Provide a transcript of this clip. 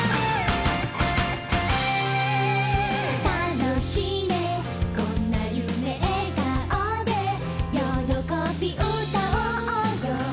「楽しいねこんな夢」「えがおで喜び歌おうよ」